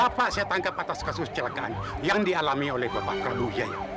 bapak saya tangkap atas kasus kejelakaan yang dialami oleh bapak prabu yaya